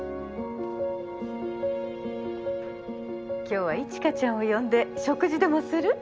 今日は一華ちゃんを呼んで食事でもする？